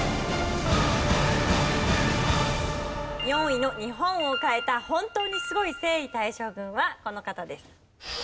４位の日本を変えた本当にスゴい征夷大将軍はこの方です。